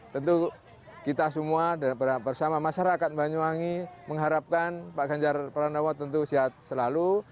tentu kita semua bersama masyarakat banyuwangi mengharapkan pak ganjar pranowo tentu sehat selalu